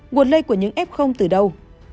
nguồn lây của những f từ đâu